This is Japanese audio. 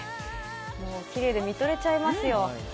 もうきれいで見とれちゃいますよ。